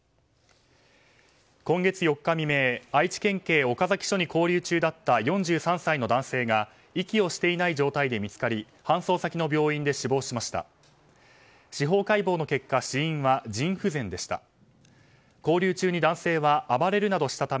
今月４日未明愛知県警岡崎署に勾留中だった４３歳の男性が息をしていない状態で見つかり搬送先の病院で死亡しました。